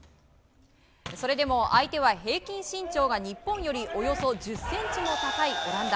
それでも相手は平均身長が日本よりおよそ１０ｃｍも高いオランダ。